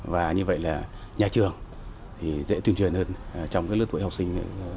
và như vậy là nhà trường thì dễ tuyên truyền hơn trong cái lớp tuổi học sinh